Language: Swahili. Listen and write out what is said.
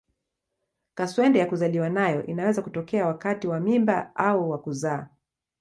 Kaswende ya kuzaliwa nayo inaweza kutokea wakati wa mimba au wa kuzaa.